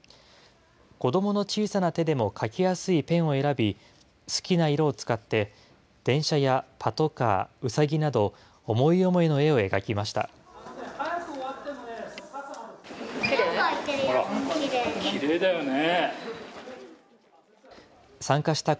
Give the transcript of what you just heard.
子どもの小さな手でも描きやすいペンを選び、好きな色を使って、電車やパトカー、ウサギなど、思い思いの絵を描きました。